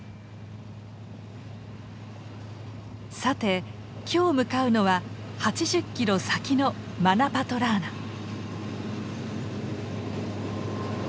さて今日向かうのは８０キロ先のマナパトラーナ。